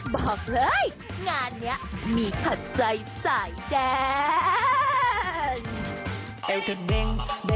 บอกเลยงานนี้มีขัดใจสายแดง